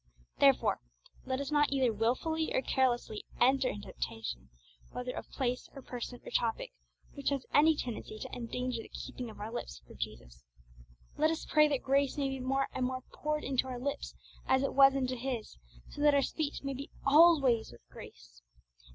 Therefore let us not either wilfully or carelessly enter into temptation, whether of place, or person, or topic, which has any tendency to endanger the keeping of our lips for Jesus. Let us pray that grace may be more and more poured into our lips as it was into His, so that our speech may be alway with grace.